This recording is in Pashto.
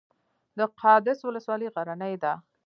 د قادس ولسوالۍ غرنۍ ده